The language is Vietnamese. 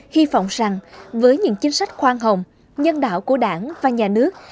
hy vọng rằng với những chính sách khoan hồng nhân đạo của đảng và nhà nước